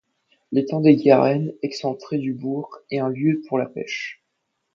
L'étang des Garennes, excentré du bourg, est un lieu pour la pêche.